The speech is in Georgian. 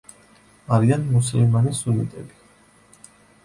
არიან მუსლიმანი სუნიტები.